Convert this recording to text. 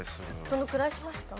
どのくらいしました？